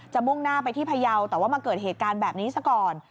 มุ่งหน้าไปที่พยาวแต่ว่ามาเกิดเหตุการณ์แบบนี้ซะก่อน